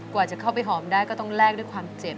กว่าจะเข้าไปหอมได้ก็ต้องแลกด้วยความเจ็บ